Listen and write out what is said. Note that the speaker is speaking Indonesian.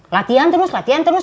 latihan terus latian terus